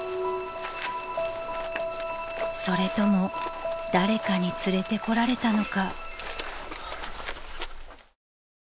［それとも誰かに連れてこられたのか］